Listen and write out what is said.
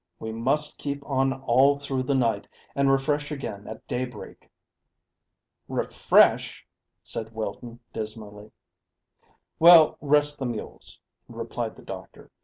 We must keep on all through the night, and refresh again at daybreak." "Refresh!" said Wilton dismally. "Well, rest the mules," replied the doctor.